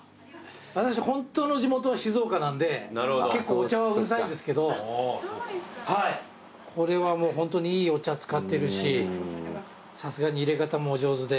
私本当の地元は静岡なんで結構お茶はうるさいんですけどこれはもうホントにいいお茶使ってるしさすがに入れ方もお上手で。